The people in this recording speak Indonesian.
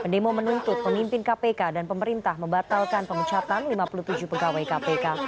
demo menuntut pemimpin kpk dan pemerintah membatalkan pemecatan lima puluh tujuh pegawai kpk